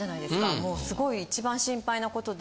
もうすごい一番心配なことで。